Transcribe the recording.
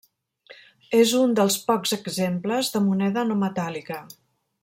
És un dels pocs exemples de moneda no metàl·lica.